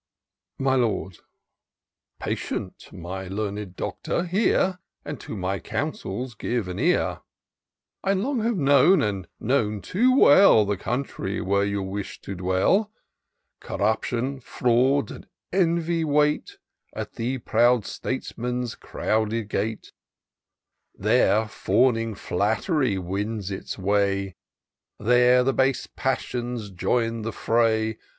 My Lord. " Patient, my learned Doctor, hear ; And to my counsels give an ear : I long have known, and known too well. The country where you wish to dwell. Corruption, fraud, and envy wait At the proud statesman's crowded gate ; There, fawning flatt'ry wins its way ; There, the base passions join the fray.